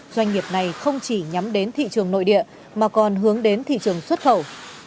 doanh nghiệp này không chỉ nhắm đến thị trường nội địa mà còn hướng đến thị trường xuất khẩu